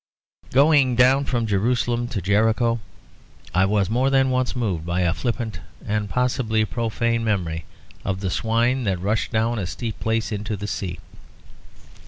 Going down from Jerusalem to Jericho I was more than once moved by a flippant and possibly profane memory of the swine that rushed down a steep place into the sea.